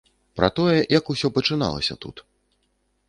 Пра тое, як усё пачыналася тут.